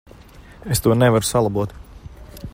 Es to nevaru salabot.